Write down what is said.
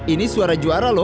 ini suara juara lho